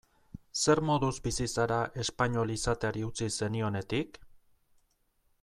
Zer moduz bizi zara espainol izateari utzi zenionetik?